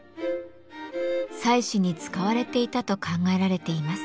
祭祀に使われていたと考えられています。